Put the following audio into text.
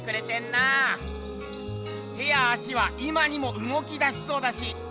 手や足は今にもうごきだしそうだし。